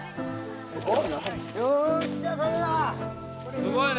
・・すごいね！